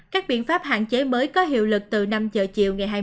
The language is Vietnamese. các biện pháp hạn chế mới có hiệu lực từ năm giờ chiều ngày hai mươi tháng một mươi hai